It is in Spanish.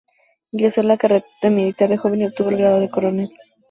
Ingresó en la carrera militar de joven y obtuvo el grado de coronel.